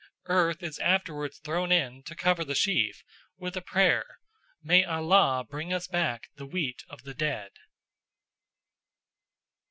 Earth is afterwards thrown in to cover the sheaf, with a prayer, "May Allah bring us back the wheat of the dead."